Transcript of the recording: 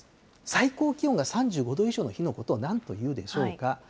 最高気温が３５度以上の日のことをなんというでしょうか？